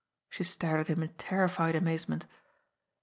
She stared at him in terrified amazement.